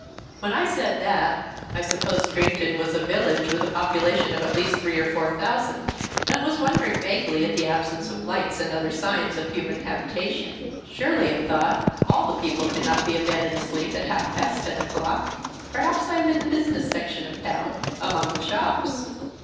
When I said that, I supposed Greenton was a village with a population of at least three or four thousand, and was wondering vaguely at the absence of lights and other signs of human habitation. Surely, I thought, all the people cannot be abed and asleep at half past ten o'clock: perhaps I am in the business section of the town, among the shops.